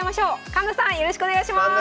環那さんよろしくお願いします。